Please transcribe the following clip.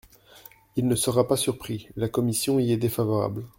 Il ne sera pas surpris, la commission y est défavorable.